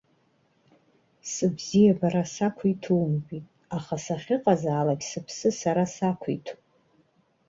Сыбзиабара сақәиҭумтәит, аха сахьыҟазаалак сыԥсы сара сақәиҭуп!